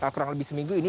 kurang lebih seminggu ini